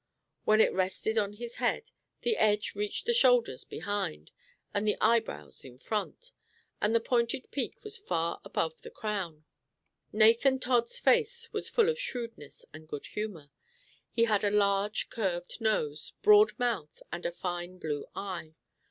When it rested on his head, the edge reached the shoulders behind, and the eyebrows in front, and the pointed peak was far off above the crown. Nathan Todd's face was full of shrewdness and good humor. He had a large, curved nose, broad mouth, and a fine blue eye.